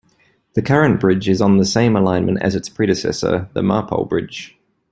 The current bridge is on the same alignment as its predecessor, the Marpole Bridge.